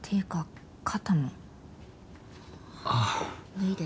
脱いで。